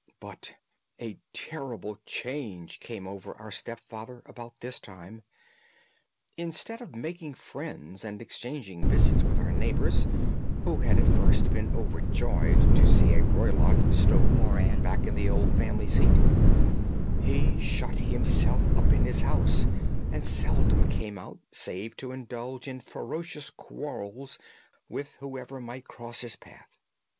"But a terrible change came over our stepfather about this time. Instead of making friends and exchanging visits with our neighbours, who had at first been overjoyed to see a Roylott of Stoke Moran back in the old family seat, he shut himself up in his house and seldom came out save to indulge in ferocious quarrels with whoever might cross his path.